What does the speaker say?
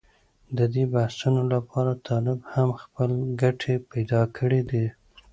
د دې بحثونو لپاره طالب هم خپل ګټې پېدا کړې دي.